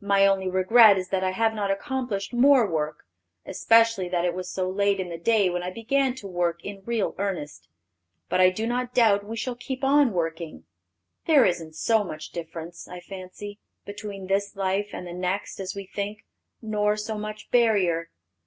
My only regret is that I have not accomplished more work; especially that it was so late in the day when I began to work in real earnest. But I do not doubt we shall keep on working.... There isn't so much difference, I fancy, between this life and the next as we think, nor so much barrier....